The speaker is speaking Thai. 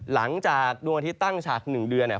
หลังจากดวงอาทิตย์ตั้งฉาก๑เดือนเนี่ย